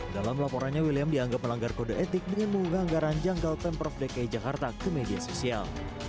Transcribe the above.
dalam laporannya william dianggap melanggar kode etik dengan mengunggah anggaran janggal pemprov dki jakarta ke media sosial